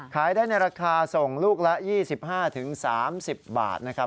ขายได้ในราคาส่งลูกละ๒๕๓๐บาทนะครับ